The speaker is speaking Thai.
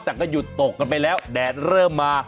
แต่ก็หยุดตกกันไปแล้วแดดเริ่มมา